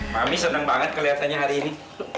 mami senang banget keliatannya hari ini